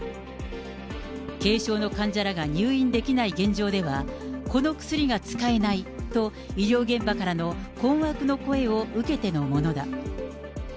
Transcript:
軽症の患者らが入院できない現状では、この薬が使えないと、医療現場からの困惑の声を受けてのものだ。